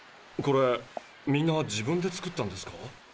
これみんな自分で作ったんですか？